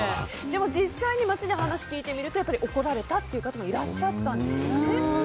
でも実際に街で話を聞いてみますと怒られたっていう方がいらっしゃったんですね。